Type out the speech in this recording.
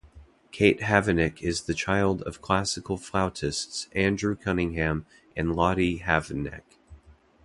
Kate Havnevik is the child of classical flautists Andrew Cunningham and Lotte Havnevik.